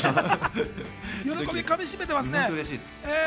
喜び噛み締めてますね。